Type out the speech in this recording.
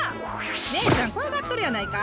姉ちゃん怖がっとるやないか！